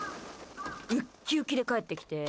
ウッキウキで帰ってきて。